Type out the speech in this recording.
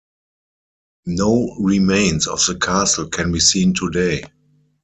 No remains of the castle can be seen today.